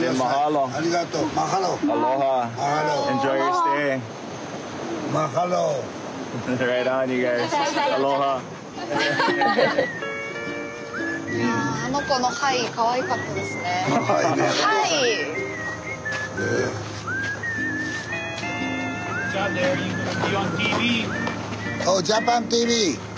オージャパンＴＶ。